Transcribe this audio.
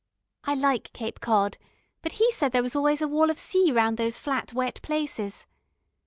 I like Cape Cod, but he said there was always a wall of sea round those flat wet places.